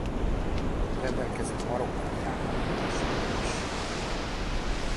Rendelkezik marokkói állampolgársággal is.